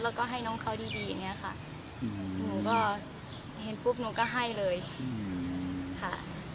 แล้วก็ให้น้องเขาดีดีอย่างเงี้ยค่ะหนูก็เห็นปุ๊บหนูก็ให้เลยค่ะ